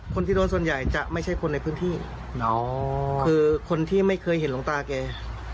คนที่โดนส่วนใหญ่จะไม่ใช่คนในพื้นที่อ๋อคือคนที่ไม่เคยเห็นหลวงตาแก